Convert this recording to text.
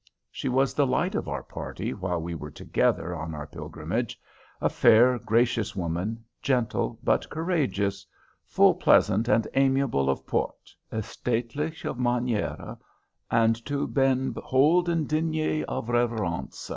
She was the light of our party while we were together on our pilgrimage, a fair, gracious woman, gentle, but courageous, "ful plesant and amiable of port, estatelich of manere, And to ben holden digne of reverence."